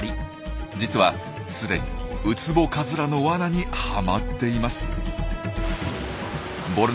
実は既にウツボカズラのワナにはまっています。